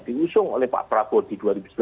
diusung oleh pak prabowo di dua ribu sembilan belas